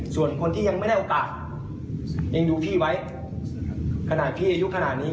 ส่วนคนที่ยังไม่ได้โอกาสยังดูพี่ไว้ขนาดพี่อายุขนาดนี้